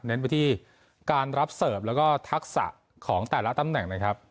ไปที่การรับเสิร์ฟแล้วก็ทักษะของแต่ละตำแหน่งนะครับ